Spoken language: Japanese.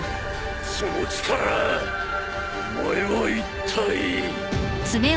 その力お前はいったい。